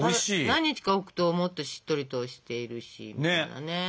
何日か置くともっとしっとりとしているし。